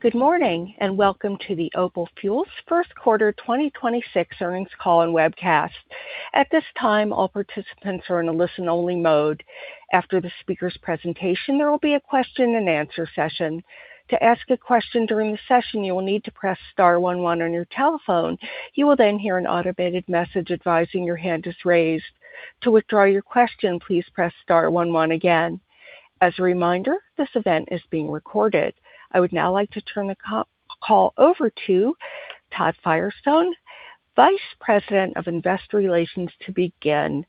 Good morning, and welcome to the OPAL Fuels first quarter 2026 earnings call and webcast. At this time, all participants are in a listen-only mode. After the speaker's presentation, there will be a question-and-answer session. To ask a question during the session, you will need to press star one one on your telephone. You will then hear an automated message advising your hand is raised. To withdraw your question, please press star one one again. As a reminder, this event is being recorded. I would now like to turn the call over to Todd Firestone, Vice President of Investor Relations, to begin.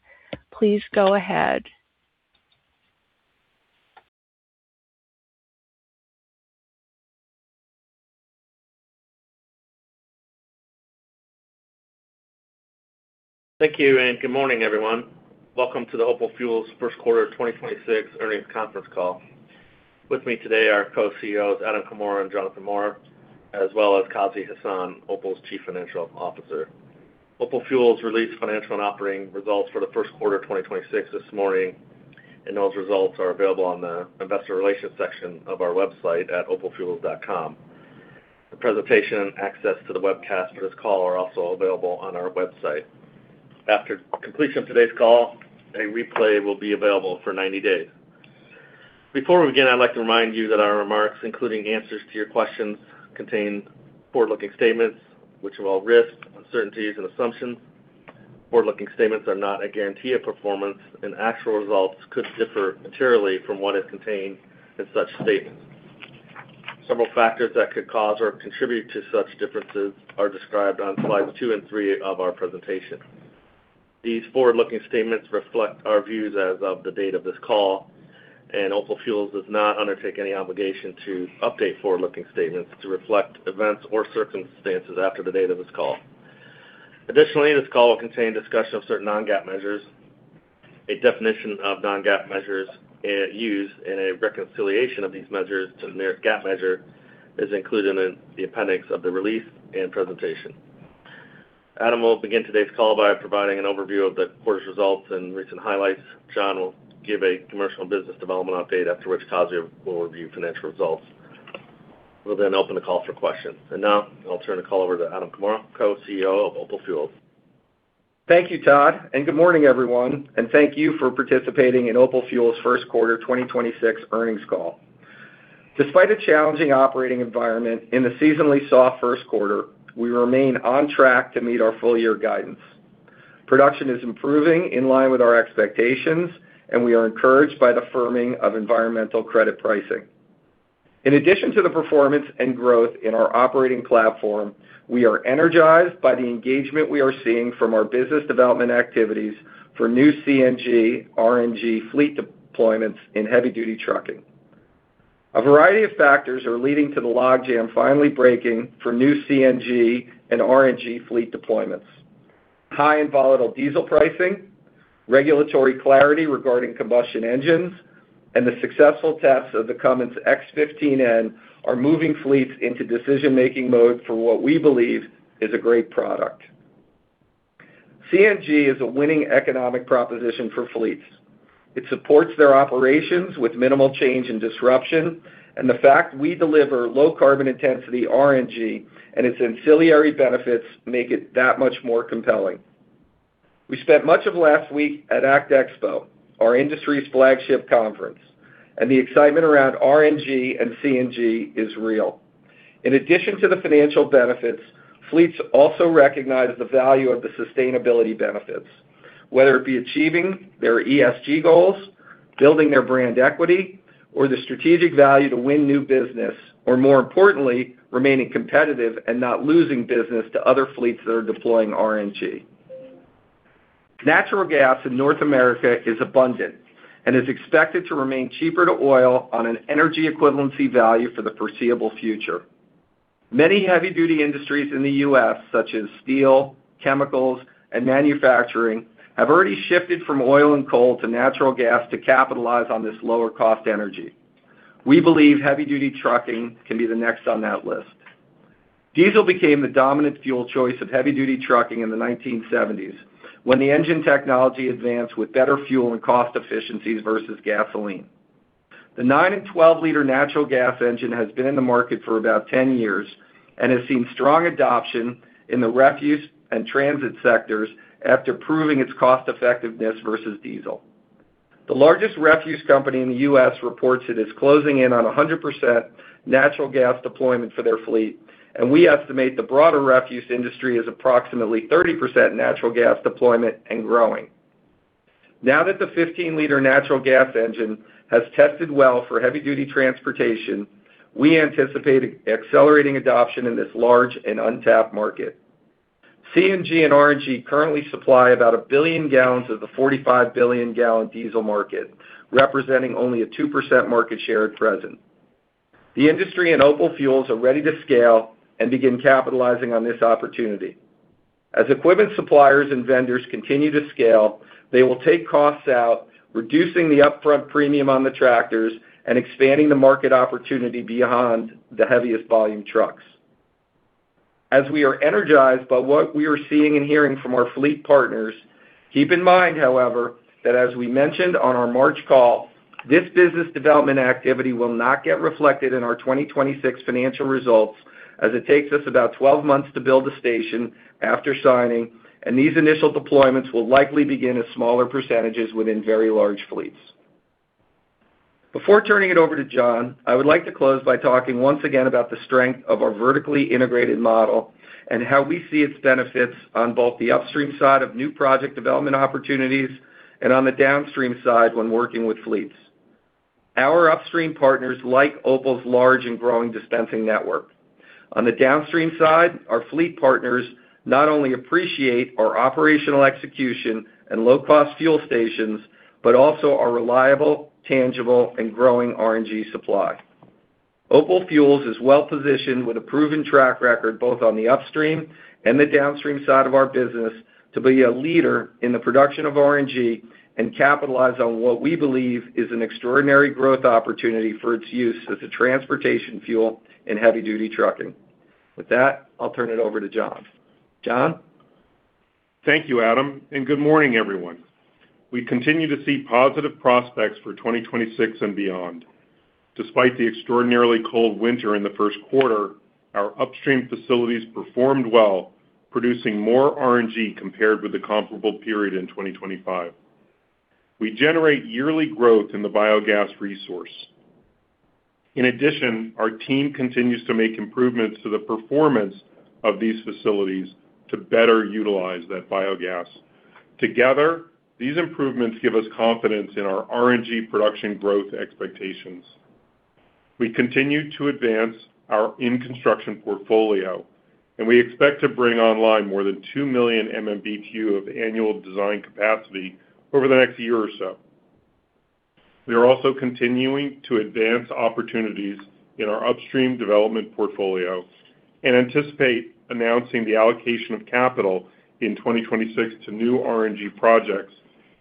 Please go ahead. Thank you. Good morning, everyone. Welcome to the OPAL Fuels first quarter 2026 earnings conference call. With me today are Co-CEOs Adam Comora and Jonathan Maurer, as well as Kazi Hasan, OPAL's Chief Financial Officer. OPAL Fuels released financial and operating results for the first quarter of 2026 this morning. Those results are available on the investor relations section of our website at opalfuels.com. The presentation and access to the webcast for this call are also available on our website. After completion of today's call, a replay will be available for 90 days. Before we begin, I'd like to remind you that our remarks, including answers to your questions, contain forward-looking statements which involve risks, uncertainties, and assumptions. Forward-looking statements are not a guarantee of performance. Actual results could differ materially from what is contained in such statements. Several factors that could cause or contribute to such differences are described on slides two and three of our presentation. These forward-looking statements reflect our views as of the date of this call. OPAL Fuels does not undertake any obligation to update forward-looking statements to reflect events or circumstances after the date of this call. This call will contain discussion of certain non-GAAP measures. A definition of non-GAAP measures used in a reconciliation of these measures to the GAAP measure is included in the appendix of the release and presentation. Adam will begin today's call by providing an overview of the quarter's results and recent highlights. Jon will give a commercial and business development update, after which Kazi will review financial results. We'll open the call for questions. I'll turn the call over to Adam Comora, Co-Chief Executive Officer of OPAL Fuels. Thank you, Todd, and good morning, everyone, and thank you for participating in OPAL Fuels first quarter 2026 earnings call. Despite a challenging operating environment in the seasonally soft first quarter, we remain on track to meet our full-year guidance. Production is improving in line with our expectations, and we are encouraged by the firming of environmental credit pricing. In addition to the performance and growth in our operating platform, we are energized by the engagement we are seeing from our business development activities for new CNG, RNG fleet deployments in heavy-duty trucking. A variety of factors are leading to the logjam finally breaking for new CNG and RNG fleet deployments. High and volatile diesel pricing, regulatory clarity regarding combustion engines, and the successful tests of the Cummins X15N are moving fleets into decision-making mode for what we believe is a great product. CNG is a winning economic proposition for fleets. It supports their operations with minimal change and disruption, and the fact we deliver low carbon intensity RNG and its ancillary benefits make it that much more compelling. We spent much of last week at ACT Expo, our industry's flagship conference, and the excitement around RNG and CNG is real. In addition to the financial benefits, fleets also recognize the value of the sustainability benefits, whether it be achieving their ESG goals, building their brand equity, or the strategic value to win new business, or more importantly, remaining competitive and not losing business to other fleets that are deploying RNG. Natural gas in North America is abundant and is expected to remain cheaper to oil on an energy equivalency value for the foreseeable future. Many heavy-duty industries in the U.S., such as steel, chemicals, and manufacturing, have already shifted from oil and coal to natural gas to capitalize on this lower cost energy. We believe heavy-duty trucking can be the next on that list. Diesel became the dominant fuel choice of heavy-duty trucking in the 1970s when the engine technology advanced with better fuel and cost efficiencies versus gasoline. The nine and 12-liter natural gas engine has been in the market for about 10 years and has seen strong adoption in the refuse and transit sectors after proving its cost effectiveness versus diesel. The largest refuse company in the U.S. reports it is closing in on 100% natural gas deployment for their fleet, and we estimate the broader refuse industry is approximately 30% natural gas deployment and growing. Now that the 15-liter natural gas engine has tested well for heavy-duty transportation, we anticipate accelerating adoption in this large and untapped market. CNG and RNG currently supply about 1 billion gallons of the 45 billion gallon diesel market, representing only a 2% market share at present. The industry and OPAL Fuels are ready to scale and begin capitalizing on this opportunity. As equipment suppliers and vendors continue to scale, they will take costs out, reducing the upfront premium on the tractors and expanding the market opportunity beyond the heaviest volume trucks. As we are energized by what we are seeing and hearing from our fleet partners, keep in mind, however, that as we mentioned on our March call, this business development activity will not get reflected in our 2026 financial results as it takes us about 12 months to build a station after signing, and these initial deployments will likely begin as smaller percentages within very large fleets. Before turning it over to John, I would like to close by talking once again about the strength of our vertically integrated model and how we see its benefits on both the upstream side of new project development opportunities and on the downstream side when working with fleets. Our upstream partners like OPAL's large and growing dispensing network. On the downstream side, our fleet partners not only appreciate our operational execution and low-cost fuel stations, but also our reliable, tangible, and growing RNG supply. OPAL Fuels is well-positioned with a proven track record, both on the upstream and the downstream side of our business, to be a leader in the production of RNG and capitalize on what we believe is an extraordinary growth opportunity for its use as a transportation fuel and heavy-duty trucking. With that, I'll turn it over to John. John? Thank you, Adam. Good morning, everyone. We continue to see positive prospects for 2026 and beyond. Despite the extraordinarily cold winter in the first quarter, our upstream facilities performed well, producing more RNG compared with the comparable period in 2025. We generate yearly growth in the biogas resource. In addition, our team continues to make improvements to the performance of these facilities to better utilize that biogas. Together, these improvements give us confidence in our RNG production growth expectations. We continue to advance our in-construction portfolio, and we expect to bring online more than 2 million MMBtu of annual design capacity over the next year or so. We are also continuing to advance opportunities in our upstream development portfolio and anticipate announcing the allocation of capital in 2026 to new RNG projects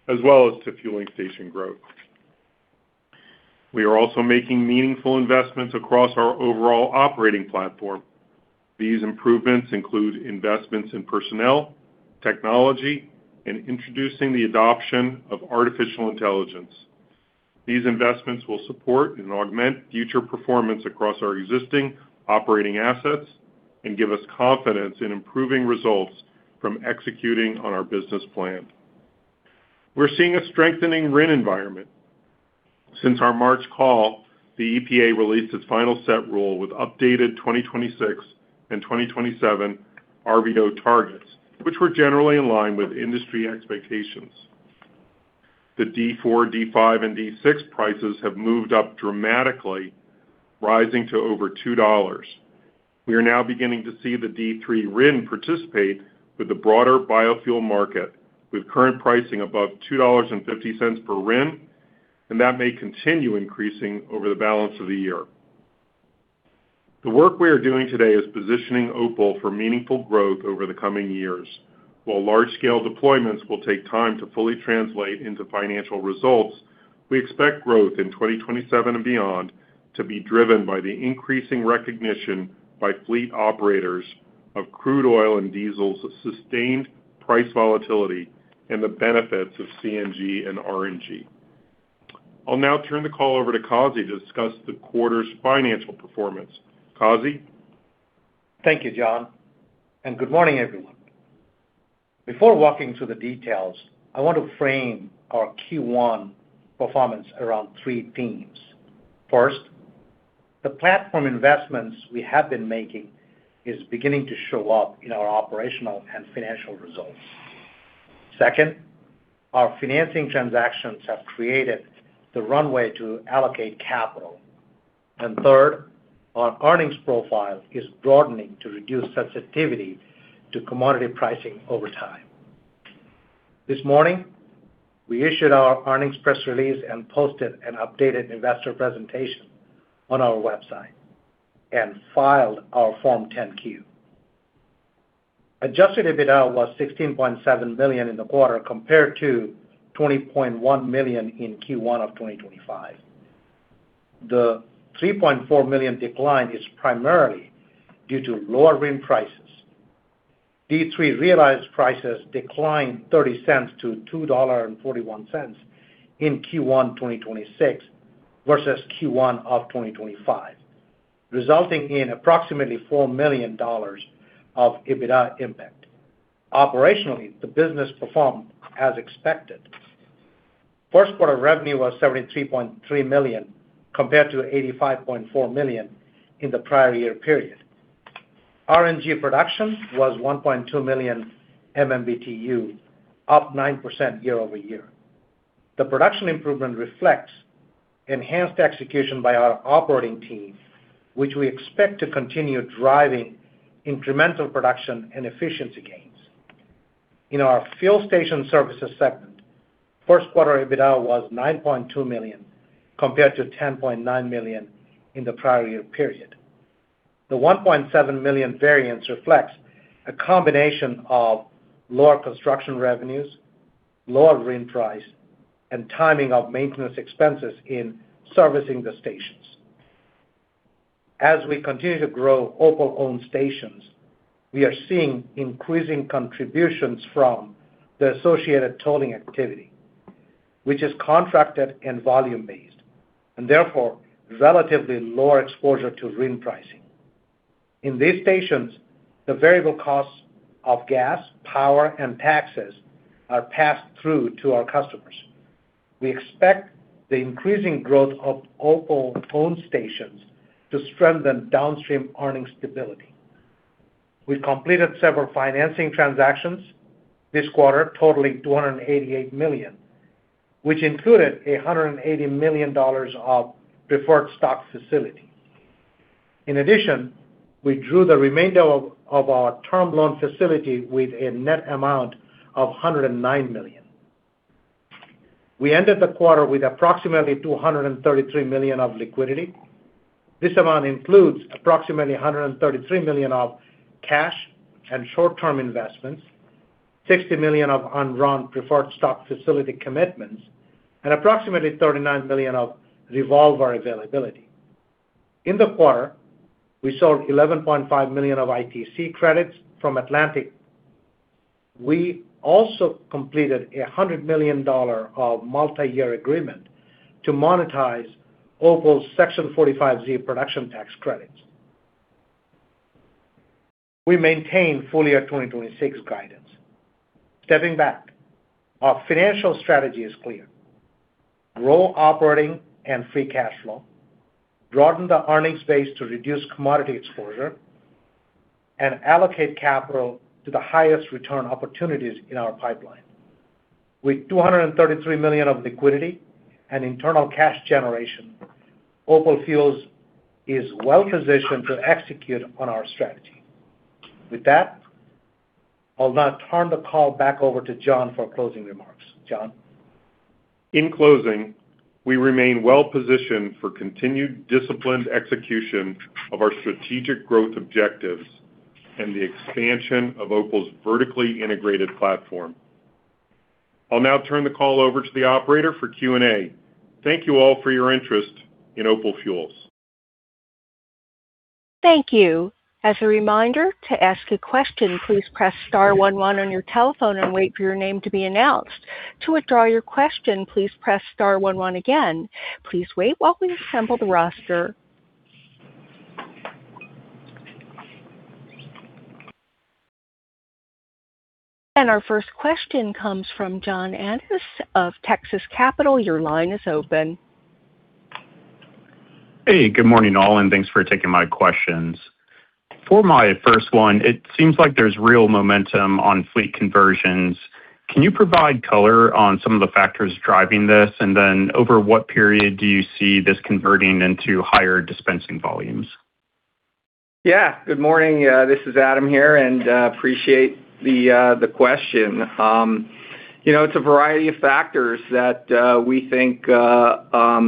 as well as to fueling station growth. We are also making meaningful investments across our overall operating platform. These improvements include investments in personnel, technology, and introducing the adoption of artificial intelligence. These investments will support and augment future performance across our existing operating assets and give us confidence in improving results from executing on our business plan. We're seeing a strengthening RIN environment. Since our March call, the EPA released its final Set Rule with updated 2026 and 2027 RVO targets, which were generally in line with industry expectations. The D4, D5, and D6 prices have moved up dramatically, rising to over $2. We are now beginning to see the D3 RIN participate with the broader biofuel market, with current pricing above $2.50 per RIN, and that may continue increasing over the balance of the year. The work we are doing today is positioning OPAL for meaningful growth over the coming years. While large-scale deployments will take time to fully translate into financial results, we expect growth in 2027 and beyond to be driven by the increasing recognition by fleet operators of crude oil and diesel's sustained price volatility and the benefits of CNG and RNG. I'll now turn the call over to Kazi to discuss the quarter's financial performance. Kazi? Thank you, John, and good morning, everyone. Before walking through the details, I want to frame our Q1 performance around three themes. First, the platform investments we have been making is beginning to show up in our operational and financial results. Second, our financing transactions have created the runway to allocate capital. Third, our earnings profile is broadening to reduce sensitivity to commodity pricing over time. This morning, we issued our earnings press release and posted an updated investor presentation on our website and filed our Form 10-Q. Adjusted EBITDA was $16.7 million in the quarter compared to $20.1 million in Q1 of 2025. The $3.4 million decline is primarily due to lower RIN prices. These three realized prices declined $0.30 to $2.41 in Q1 2026 versus Q1 2025, resulting in approximately $4 million of EBITDA impact. Operationally, the business performed as expected. First quarter revenue was $73.3 million compared to $85.4 million in the prior year period. RNG production was 1.2 million MMBtu, up 9% year-over-year. The production improvement reflects enhanced execution by our operating team, which we expect to continue driving incremental production and efficiency gains. In our Fuel Station Services segment, first quarter EBITDA was $9.2 million compared to $10.9 million in the prior year period. The $1.7 million variance reflects a combination of lower construction revenues, lower RIN price, and timing of maintenance expenses in servicing the stations. As we continue to grow OPAL-owned stations, we are seeing increasing contributions from the associated tolling activity, which is contracted and volume-based, and therefore relatively lower exposure to RIN pricing. In these stations, the variable costs of gas, power, and taxes are passed through to our customers. We expect the increasing growth of OPAL-owned stations to strengthen downstream earnings stability. We completed several financing transactions this quarter totaling $288 million, which included $180 million of preferred stock facility. In addition, we drew the remainder of our term loan facility with a net amount of $109 million. We ended the quarter with approximately $233 million of liquidity. This amount includes approximately $133 million of cash and short-term investments, $60 million of undrawn preferred stock facility commitments, and approximately $39 million of revolver availability. In the quarter, we sold 11.5 million of ITC credits from Atlantic. We also completed a $100 million multiyear agreement to monetize OPAL Fuels' Section 45Z production tax credits. We maintain full year 2026 guidance. Stepping back, our financial strategy is clear. Grow operating and free cash flow, broaden the earnings base to reduce commodity exposure, and allocate capital to the highest return opportunities in our pipeline. With $233 million of liquidity and internal cash generation, OPAL Fuels is well positioned to execute on our strategy. With that, I'll now turn the call back over to John for closing remarks. John? In closing, we remain well positioned for continued disciplined execution of our strategic growth objectives and the expansion of OPAL's vertically integrated platform. I'll now turn the call over to the operator for Q&A. Thank you all for your interest in OPAL Fuels. Thank you. As a reminder, to ask a question, please press star one one on your telephone and wait for your name to be announced. To withdraw your question, please press star one one again. Please wait while we assemble the roster. Our first question comes from [John Anders of Texas Capital]. Your line is open. Hey, good morning, all, and thanks for taking my questions. For my first one, it seems like there's real momentum on fleet conversions. Can you provide color on some of the factors driving this? Over what period do you see this converting into higher dispensing volumes? Yeah. Good morning. This is Adam here, appreciate the question. You know, it's a variety of factors that we think are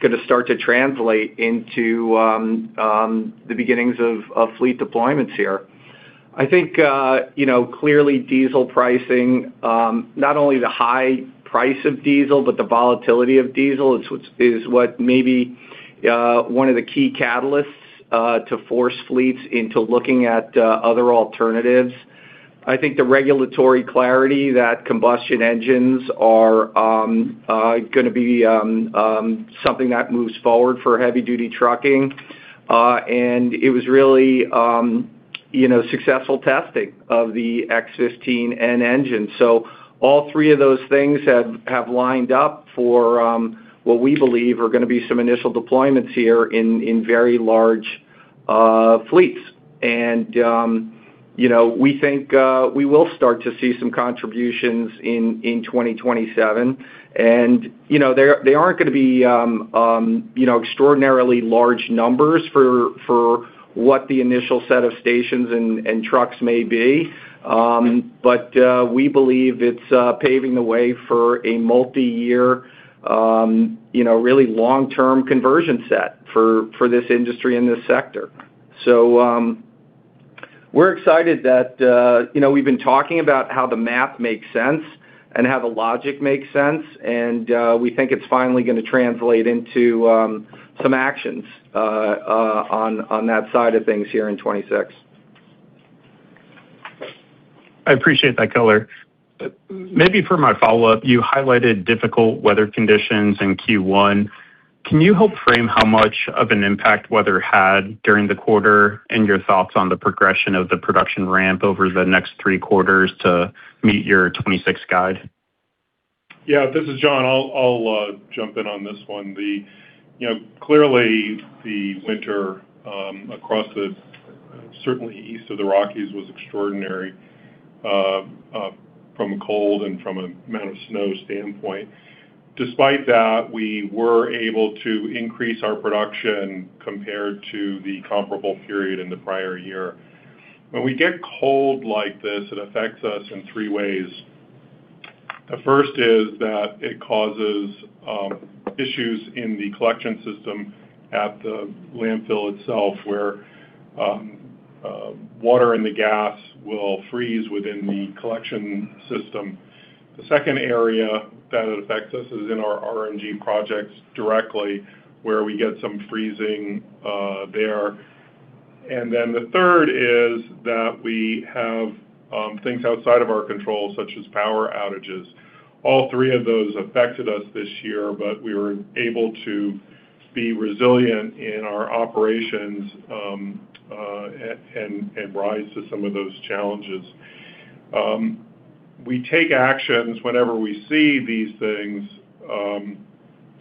gonna start to translate into the beginnings of fleet deployments here. I think, you know, clearly diesel pricing, not only the high price of diesel, but the volatility of diesel is what may be one of the key catalysts to force fleets into looking at other alternatives. I think the regulatory clarity that combustion engines are gonna be something that moves forward for heavy-duty trucking, it was really, you know, successful testing of the X15N engine. All three of those things have lined up for what we believe are gonna be some initial deployments here in very large fleets. You know, we think we will start to see some contributions in 2027. You know, they aren't gonna be, you know, extraordinarily large numbers for what the initial set of stations and trucks may be. We believe it's paving the way for a multiyear, you know, really long-term conversion set for this industry and this sector. We're excited that, you know, we've been talking about how the math makes sense and how the logic makes sense, we think it's finally gonna translate into some actions on that side of things here in 2026. I appreciate that color. For my follow-up, you highlighted difficult weather conditions in Q1. Can you help frame how much of an impact weather had during the quarter and your thoughts on the progression of the production ramp over the next three quarters to meet your 2026 guide? This is John. I'll jump in on this one. You know, clearly the winter across the certainly east of the Rockies was extraordinary from a cold and from an amount of snow standpoint. Despite that, we were able to increase our production compared to the comparable period in the prior year. When we get cold like this, it affects us in three ways. The first is that it causes issues in the collection system at the landfill itself, where water in the gas will freeze within the collection system. The second area that it affects us is in our RNG projects directly where we get some freezing there. The third is that we have things outside of our control, such as power outages. All three of those affected us this year, but we were able to be resilient in our operations, and rise to some of those challenges. We take actions whenever we see these things,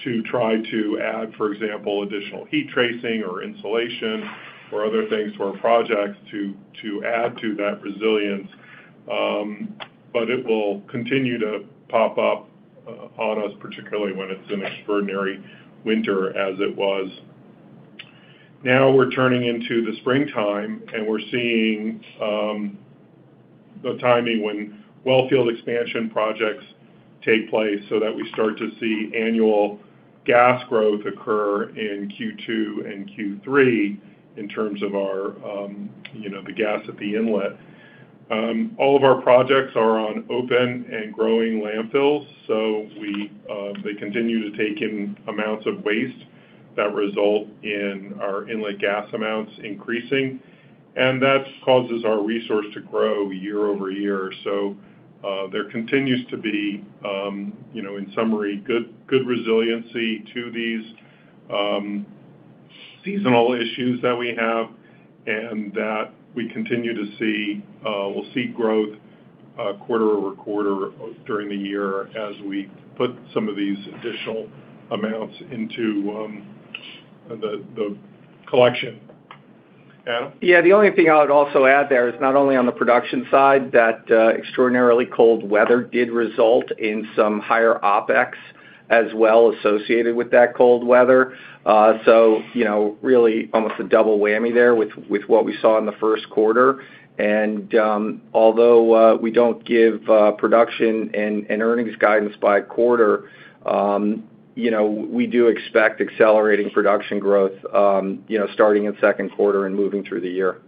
to try to add, for example, additional heat tracing or insulation or other things to our projects to add to that resilience. It will continue to pop up on us, particularly when it's an extraordinary winter as it was. Now we're turning into the springtime, and we're seeing the timing when well field expansion projects take place so that we start to see annual gas growth occur in Q2 and Q3 in terms of our, you know, the gas at the inlet. All of our projects are on open and growing landfills, we continue to take in amounts of waste that result in our inlet gas amounts increasing, and that causes our resource to grow year-over-year. There continues to be, you know, in summary, good resiliency to these seasonal issues that we have and that we continue to see. We'll see growth, quarter-over-quarter, during the year as we put some of these additional amounts into the collection. Adam? Yeah. The only thing I would also add there is not only on the production side that extraordinarily cold weather did result in some higher OpEx as well associated with that cold weather. You know, really almost a double whammy there with what we saw in the first quarter. Although we don't give production and earnings guidance by quarter, you know, we do expect accelerating production growth, you know, starting in second quarter and moving through the year.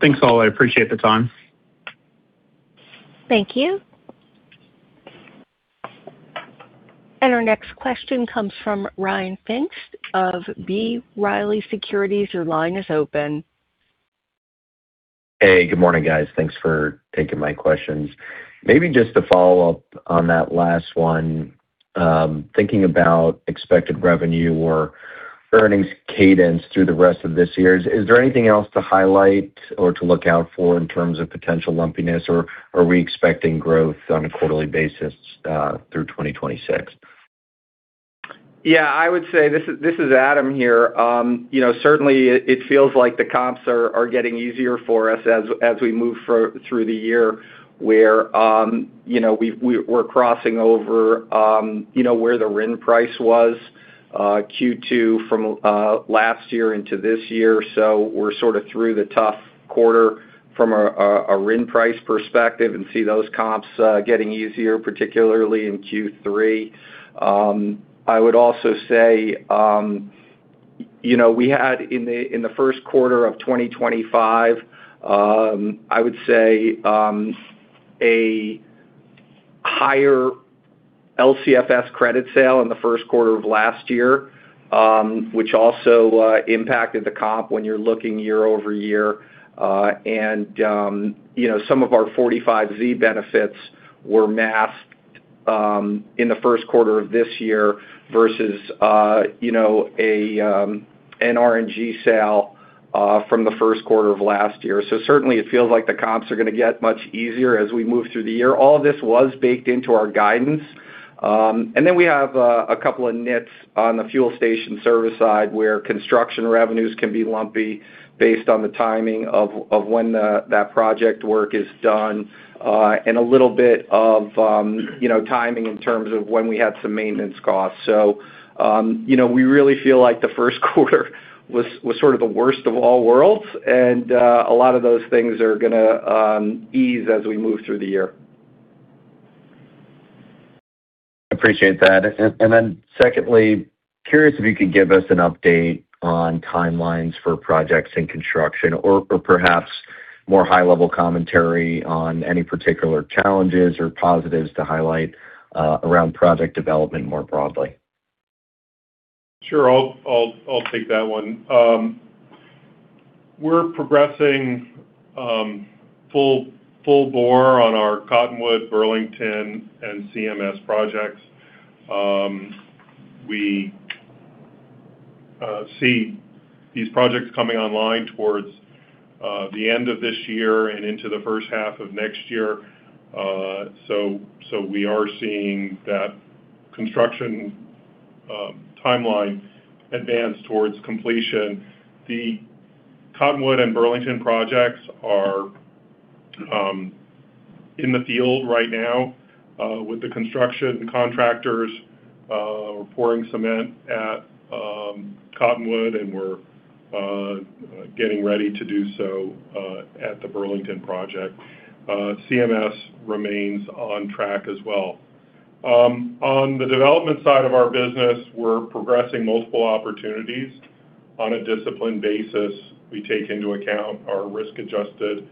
Thanks all. I appreciate the time. Thank you. Our next question comes from Ryan Pfingst of B. Riley Securities. Your line is open. Hey, good morning, guys. Thanks for taking my questions. Maybe just to follow up on that last one. Thinking about expected revenue or earnings cadence through the rest of this year, is there anything else to highlight or to look out for in terms of potential lumpiness, or are we expecting growth on a quarterly basis through 2026? I would say this is Adam here. Certainly it feels like the comps are getting easier for us as we move through the year where we're crossing over where the RIN price was Q2 from last year into this year. We're sort of through the tough quarter from a RIN price perspective and see those comps getting easier, particularly in Q3. I would also say we had in the first quarter of 2025 a higher LCFS credit sale in the first quarter of last year, which also impacted the comp when you're looking year-over-year. You know, some of our 45Z benefits were masked in the first quarter of this year versus, you know, an RNG sale from the first quarter of last year. Certainly it feels like the comps are gonna get much easier as we move through the year. All of this was baked into our guidance. We have a couple of nits on the Fuel Station Services side where construction revenues can be lumpy based on the timing of when that project work is done, and a little bit of, you know, timing in terms of when we had some maintenance costs. You know, we really feel like the first quarter was sort of the worst of all worlds. A lot of those things are gonna ease as we move through the year. Appreciate that. Secondly, curious if you could give us an update on timelines for projects in construction or perhaps more high-level commentary on any particular challenges or positives to highlight around project development more broadly. Sure. I'll take that one. We're progressing full bore on our Cottonwood, Burlington, and CMS projects. We see these projects coming online towards the end of this year and into the first half of next year. We are seeing that construction timeline advance towards completion. The Cottonwood and Burlington projects are in the field right now with the construction contractors pouring cement at Cottonwood, and we're getting ready to do so at the Burlington project. CMS remains on track as well. On the development side of our business, we're progressing multiple opportunities. On a disciplined basis, we take into account our risk-adjusted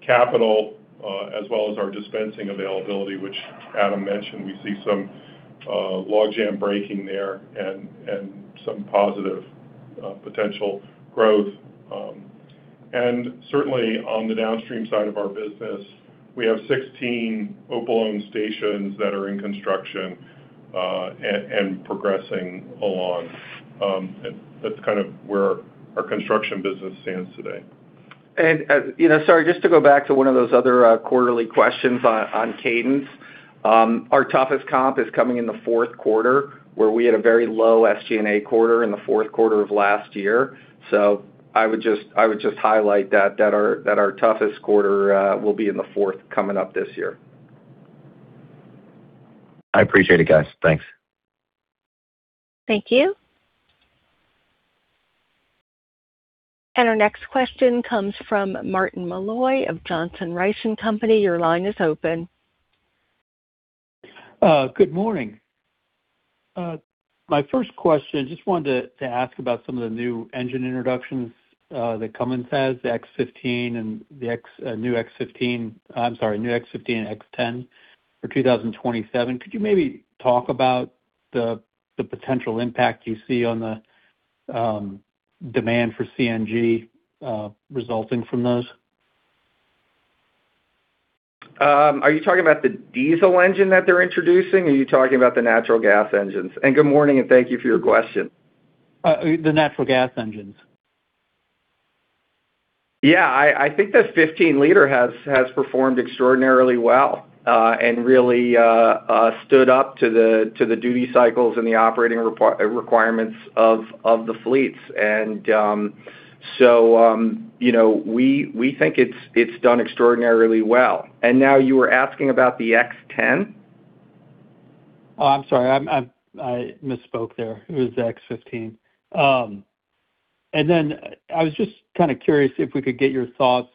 capital, as well as our dispensing availability, which Adam mentioned. We see some logjam breaking there and some positive potential growth. Certainly on the downstream side of our business, we have 16 OPAL-owned stations that are in construction and progressing along. That's kind of where our construction business stands today. You know, sorry, just to go back to one of those other quarterly questions on cadence. Our toughest comp is coming in the fourth quarter, where we had a very low SG&A quarter in the fourth quarter of last year. I would just highlight that our toughest quarter will be in the fourth coming up this year. I appreciate it, guys. Thanks. Thank you. Our next question comes from Martin Malloy of Johnson Rice & Company. Your line is open. Good morning. My first question, just wanted to ask about some of the new engine introductions that Cummins has, the X15 and the new X15 and X10 for 2027. Could you maybe talk about the potential impact you see on the demand for CNG resulting from those? Are you talking about the diesel engine that they're introducing? Are you talking about the natural gas engines? Good morning, and thank you for your question. The natural gas engines. I think the 15-liter has performed extraordinarily well, really stood up to the duty cycles and the operating requirements of the fleets. You know, we think it's done extraordinarily well. Now you were asking about the X10? Oh, I'm sorry. I misspoke there. It was the X15. I was just kind of curious if we could get your thoughts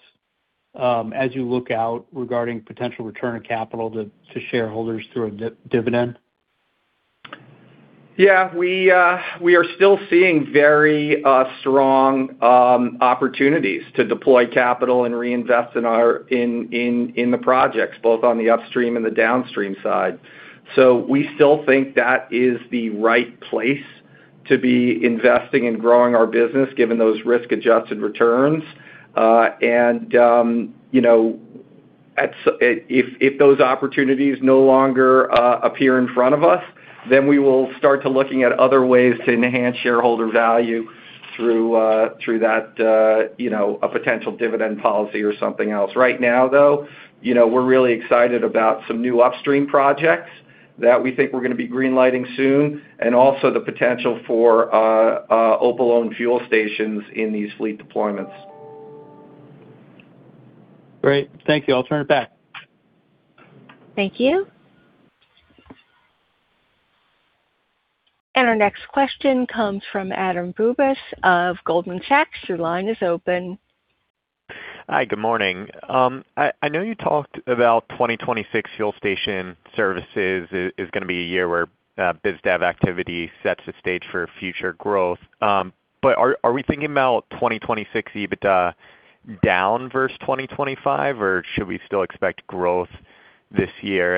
as you look out regarding potential return of capital to shareholders through a dividend. We are still seeing very strong opportunities to deploy capital and reinvest in our projects, both on the upstream and the downstream side. We still think that is the right place to be investing and growing our business, given those risk-adjusted returns. If those opportunities no longer appear in front of us, then we will start to looking at other ways to enhance shareholder value through that, you know, a potential dividend policy or something else. Right now, though, you know, we're really excited about some new upstream projects that we think we're gonna be green-lighting soon, and also the potential for OPAL-owned fuel stations in these fleet deployments. Great. Thank you. I'll turn it back. Thank you. Our next question comes from Adam Bubes of Goldman Sachs. Your line is open. Hi, good morning. I know you talked about 2026 Fuel Station Services is gonna be a year where biz dev activity sets the stage for future growth. But are we thinking about 2026 EBITDA down versus 2025, or should we still expect growth this year?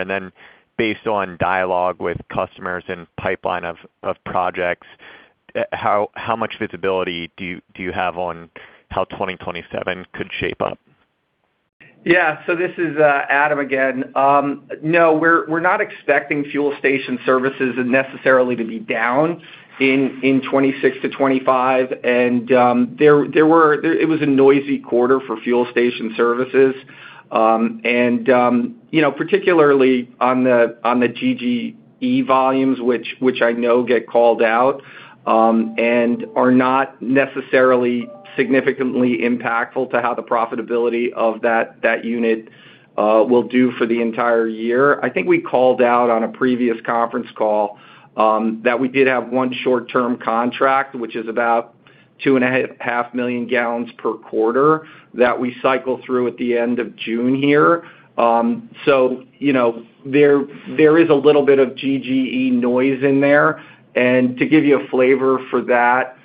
Based on dialogue with customers and pipeline of projects, how much visibility do you have on how 2027 could shape up? This is Adam again. No, we're not expecting Fuel Station Services necessarily to be down in 2026 to 2025. It was a noisy quarter for Fuel Station Services. You know, particularly on the GGE volumes, which I know get called out, and are not necessarily significantly impactful to how the profitability of that unit will do for the entire year. I think we called out on a previous conference call, that we did have one short-term contract, which is about 2.5 million gallons per quarter that we cycle through at the end of June here. You know, there is a little bit of GGE noise in there. To give you a flavor for that,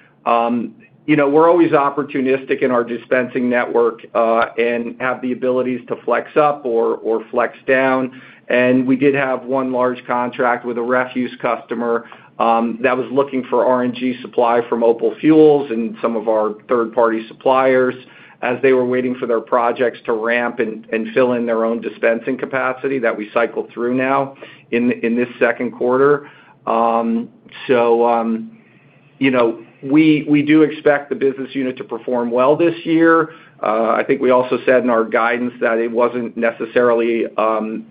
you know, we're always opportunistic in our dispensing network, and have the abilities to flex up or flex down. We did have one large contract with a refuse customer that was looking for RNG supply from OPAL Fuels and some of our third-party suppliers as they were waiting for their projects to ramp and fill in their own dispensing capacity that we cycled through now in this second quarter. You know, we do expect the business unit to perform well this year. I think we also said in our guidance that it wasn't necessarily,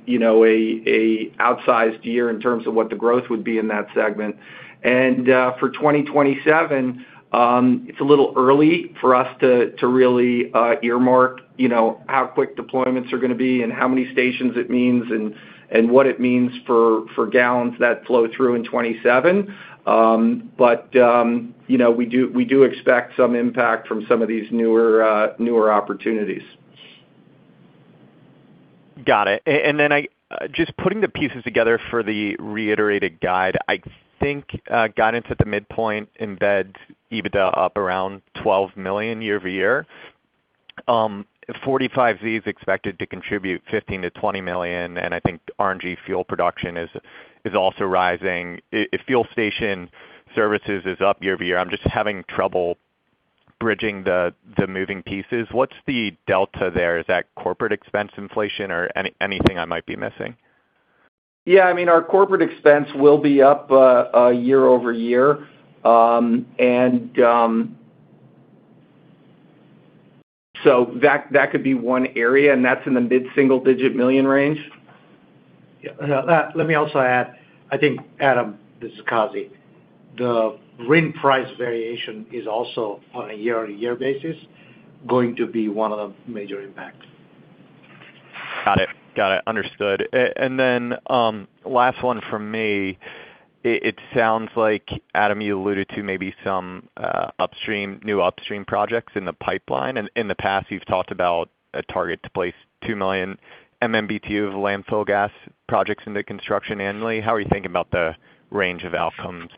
you know, an outsized year in terms of what the growth would be in that segment. For 2027, it's a little early for us to really earmark, you know, how quick deployments are gonna be and how many stations it means and what it means for gallons that flow through in 2027. You know, we do expect some impact from some of these newer opportunities. Got it. Then I just putting the pieces together for the reiterated guide, I think guidance at the midpoint embeds EBITDA up around $12 million year-over-year. 45Z is expected to contribute $15 million-$20 million, and I think RNG fuel production is also rising. If Fuel Station Services is up year-over-year, I'm just having trouble bridging the moving pieces. What's the delta there? Is that corporate expense inflation or anything I might be missing? Yeah. I mean, our corporate expense will be up year-over-year. That could be one area, and that's in the mid-single digit million range. Let me also add. I think, Adam, this is Kazi. The RIN price variation is also on a year-on-year basis going to be one of the major impacts. Got it. Got it. Understood. Last one from me. It sounds like, Adam, you alluded to maybe some new upstream projects in the pipeline. In the past, you've talked about a target to place 2 million MMBtu of landfill gas projects into construction annually. How are you thinking about the range of outcomes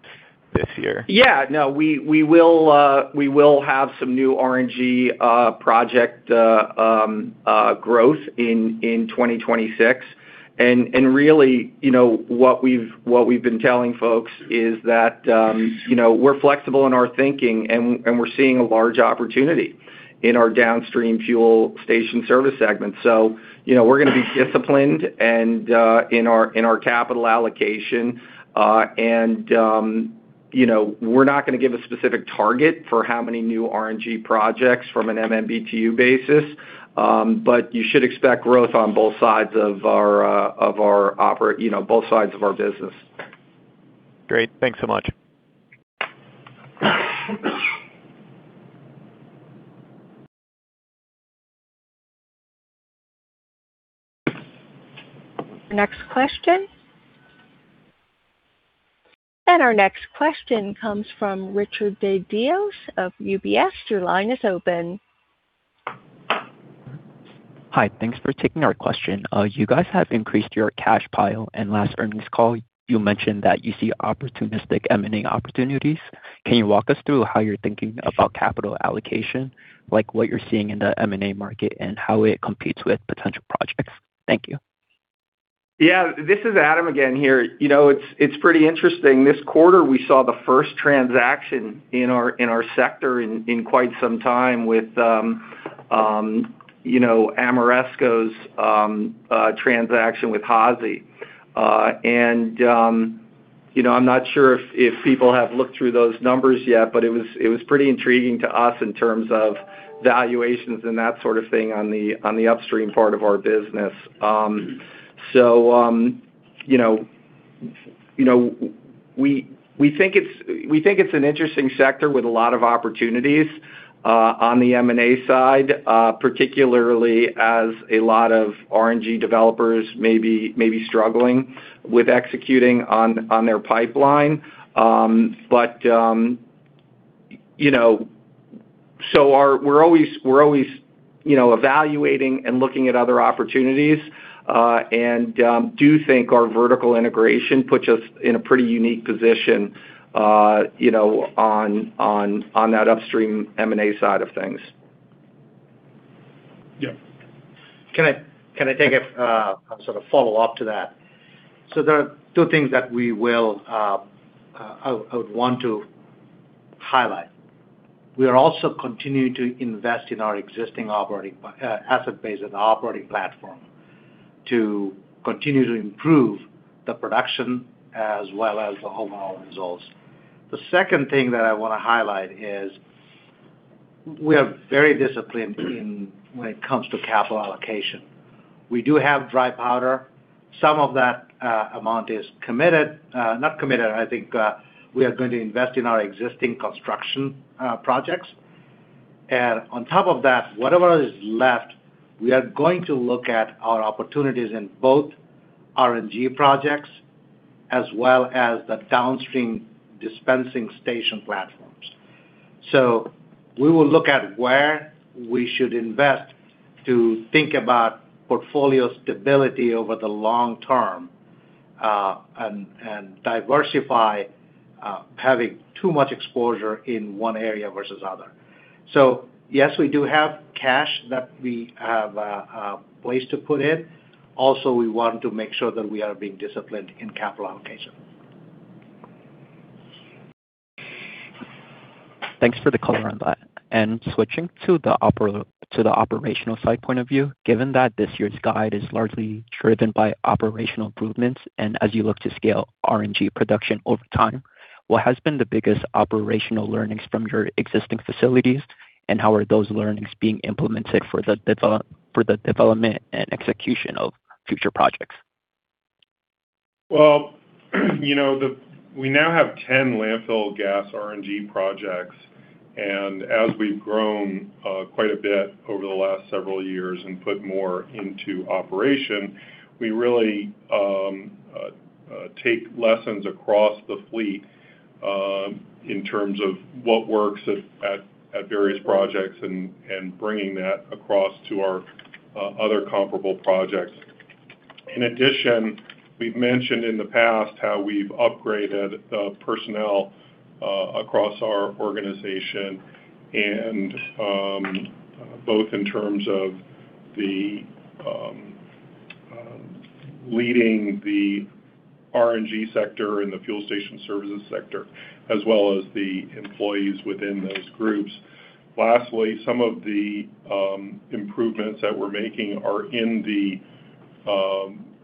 this year? Yeah. No. We, we will, we will have some new RNG project growth in 2026. Really, you know, what we've, what we've been telling folks is that, you know, we're flexible in our thinking and we're seeing a large opportunity in our downstream Fuel Station Services segment. You know, we're gonna be disciplined in our capital allocation. You know, we're not gonna give a specific target for how many new RNG projects from an MMBtu basis, but you should expect growth on both sides of our, you know, both sides of our business. Great. Thanks so much. Next question. Our next question comes from Richard DeDios of UBS. Your line is open. Hi. Thanks for taking our question. You guys have increased your cash pile and last earnings call you mentioned that you see opportunistic M&A opportunities. Can you walk us through how you're thinking about capital allocation, like what you're seeing in the M&A market and how it competes with potential projects? Thank you. Yeah. This is Adam again here. You know, it's pretty interesting. This quarter we saw the first transaction in our sector in quite some time with, you know, Ameresco's transaction with HASI. You know, I'm not sure if people have looked through those numbers yet, but it was pretty intriguing to us in terms of valuations and that sort of thing on the upstream part of our business. You know, we think it's an interesting sector with a lot of opportunities on the M&A side, particularly as a lot of RNG developers may be struggling with executing on their pipeline. You know, we're always, you know, evaluating and looking at other opportunities, and, do think our vertical integration puts us in a pretty unique position, you know, on that upstream M&A side of things. Yeah. Can I take a sort of follow-up to that? There are two things that we will want to highlight. We are also continuing to invest in our existing operating asset base and operating platform to continue to improve the production as well as the whole results. The second thing that I wanna highlight is we are very disciplined in when it comes to capital allocation. We do have dry powder. Some of that amount is committed. Not committed, I think, we are going to invest in our existing construction projects. On top of that, whatever is left, we are going to look at our opportunities in both RNG projects as well as the downstream dispensing station platforms. We will look at where we should invest to think about portfolio stability over the long term, and diversify, having too much exposure in one area versus other. Yes, we do have cash that we have place to put in. We want to make sure that we are being disciplined in capital allocation. Thanks for the color on that. Switching to the operational side point of view, given that this year's guide is largely driven by operational improvements, and as you look to scale RNG production over time, what has been the biggest operational learnings from your existing facilities, and how are those learnings being implemented for the development and execution of future projects? Well, you know, we now have 10 landfill gas RNG projects, as we've grown quite a bit over the last several years and put more into operation, we really take lessons across the fleet in terms of what works at various projects and bringing that across to our other comparable projects. In addition, we've mentioned in the past how we've upgraded the personnel across our organization, both in terms of leading the RNG sector and the Fuel Station Services sector, as well as the employees within those groups. Lastly, some of the improvements that we're making are in the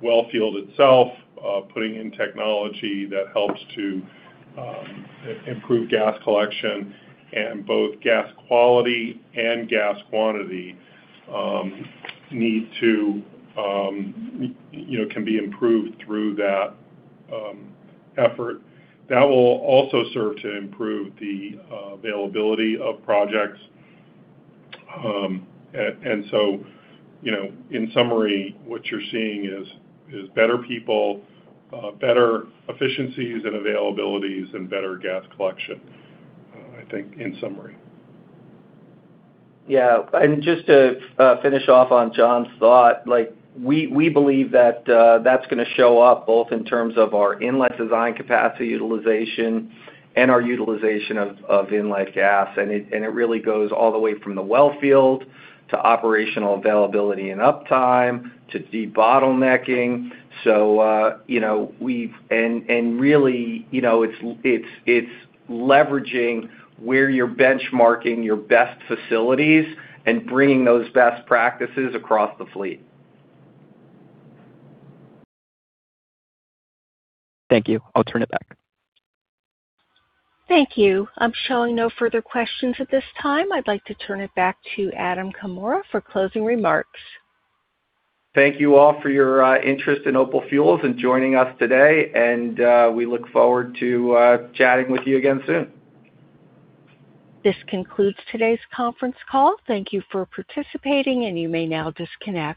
well field itself, putting in technology that helps to improve gas collection and both gas quality and gas quantity, you know, can be improved through that effort. That will also serve to improve the availability of projects. You know, in summary, what you're seeing is better people, better efficiencies and availabilities and better gas collection, I think, in summary. Yeah. Just to finish off on John's thought, like we believe that's gonna show up both in terms of our inlet design capacity utilization and our utilization of inlet gas. It really goes all the way from the well field to operational availability and uptime to de-bottlenecking. You know, we've really, you know, it's leveraging where you're benchmarking your best facilities and bringing those best practices across the fleet. Thank you. I'll turn it back. Thank you. I'm showing no further questions at this time. I'd like to turn it back to Adam Comora for closing remarks. Thank you all for your interest in OPAL Fuels and joining us today, and we look forward to chatting with you again soon. This concludes today's conference call. Thank you for participating, and you may now disconnect.